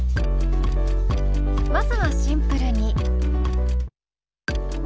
まずはシンプルに。